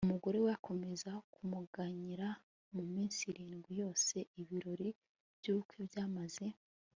umugore we akomeza kumuganyira mu minsi irindwi yose ibirori by'ubukwe byamaze